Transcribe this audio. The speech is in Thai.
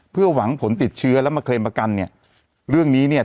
เพื่อหวังผลติดเชื้อแล้วมาเคลมประกันเนี่ยเรื่องนี้เนี่ย